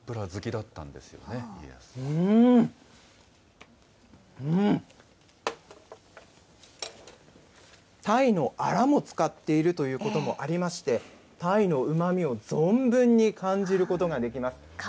たいのアラも使っているということもありまして、たいのうまみを存分に感じることができます。